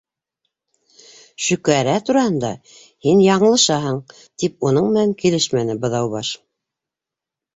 —Шөкәрә тураһында һин яңылышаһың, —тип уның менән килешмәне Быҙаубаш.